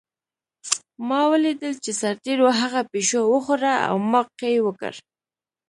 ما ولیدل چې سرتېرو هغه پیشو وخوړه او ما قی وکړ